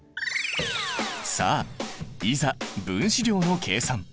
さあいざ分子量の計算。